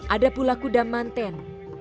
ada pula kuda mantan